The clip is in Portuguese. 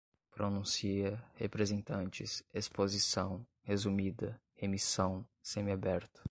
pronuncia, representantes, exposição resumida, remição, semi-aberto